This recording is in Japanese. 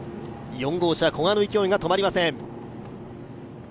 ４号車、古賀の勢いが止まりません。